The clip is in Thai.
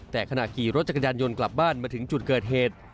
แต่ขณะขี่รถจักรยานยนต์กลับบ้านมาถึงจุดเกิดเหตุ